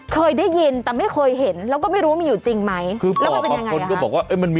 เคยได้ยินแต่ไม่เคยเห็นแล้วก็ไม่รู้ว่ามันอยู่จริงไหม